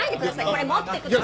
これ持ってください！